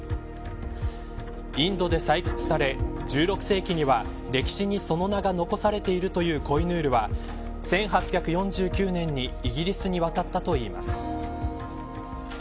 インドで採掘され、１６世紀には歴史にその名が残されているというコイヌールは１８４９年にイギリスに渡ったといいます。